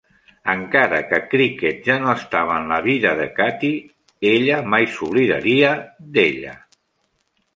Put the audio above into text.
Encara que Cricket ja no estava en la vida de Cathee, ella mai s'oblidaria d'ella.